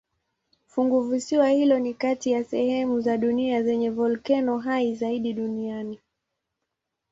Funguvisiwa hilo ni kati ya sehemu za dunia zenye volkeno hai zaidi duniani.